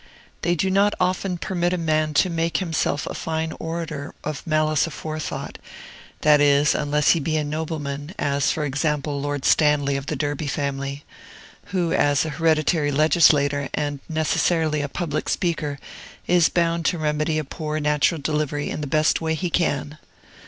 They do not often permit a man to make himself a fine orator of malice aforethought, that is, unless he be a nobleman (as, for example, Lord Stanley, of the Derby family), who, as an hereditary legislator and necessarily a public speaker, is bound to remedy a poor natural delivery in the best way he can.